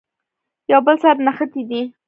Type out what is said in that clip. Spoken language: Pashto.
یو بل سره نښتي دي.